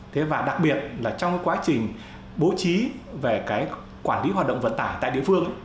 thế và đặc biệt là trong cái quá trình bố trí về cái quản lý hoạt động vận tải tại địa phương